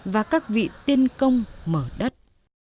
và các vị tiên công mở đất